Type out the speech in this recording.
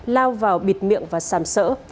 lao vào bịt miệng và sàm sỡ